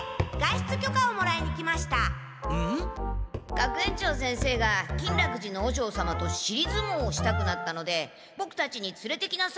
学園長先生が金楽寺の和尚様としりずもうをしたくなったのでボクたちにつれてきなさいって言われまして。